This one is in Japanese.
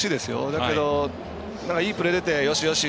だけど、いいプレー出てよしよし！